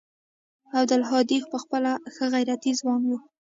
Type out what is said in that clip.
عبدالهادي پخپله ښه غيرتي ځوان و.